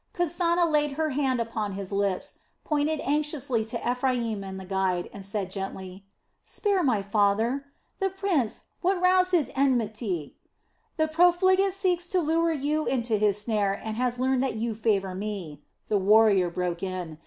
Kasana laid her hand upon his lips, pointed anxiously to Ephraim and the guide, and said gently: "Spare my father! The prince what roused his enmity...." "The profligate seeks to lure you into his snare and has learned that you favor me," the warrior broke in.